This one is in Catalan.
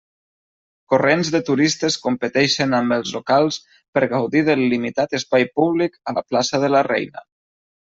Corrents de turistes competeixen amb els locals per gaudir del limitat espai públic a la plaça de la Reina.